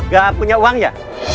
gak punya uang ya